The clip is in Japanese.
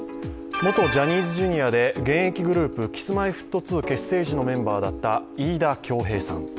元ジャニーズＪｒ．で現役グループＫｉｓ−Ｍｙ−Ｆｔ２結成時のメンバーだった飯田恭平さん。